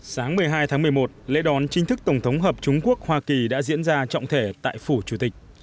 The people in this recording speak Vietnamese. sáng một mươi hai tháng một mươi một lễ đón chính thức tổng thống hợp trung quốc hoa kỳ đã diễn ra trọng thể tại phủ chủ tịch